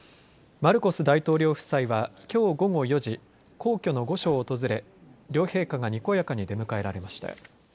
マルコス大統領夫妻はきょう午後４時皇居の御所を訪れ両陛下がにこやかに出迎えられました。